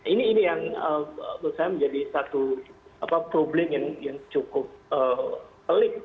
ini yang menurut saya menjadi satu problem yang cukup pelik